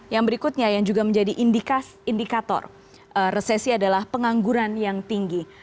yang berikutnya yang juga menjadi indikator resesi adalah pengangguran yang tinggi